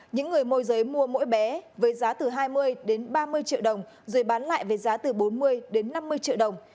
những người môi giới mua mỗi bé với giá từ hai mươi đến ba mươi triệu đồng rồi bán lại với giá từ bốn mươi đến năm mươi triệu đồng